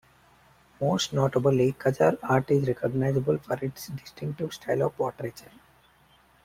Most notably, Qajar art is recognizable for its distinctive style of portraiture.